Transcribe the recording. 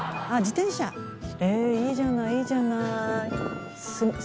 ええーいいじゃないいいじゃない！